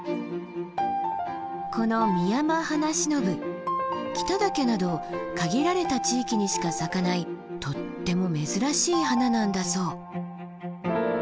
このミヤマハナシノブ北岳など限られた地域にしか咲かないとっても珍しい花なんだそう。